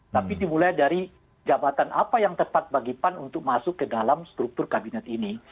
tapi dimulai dari jabatan apa yang tepat bagi pan untuk masuk ke dalam struktur kabinet ini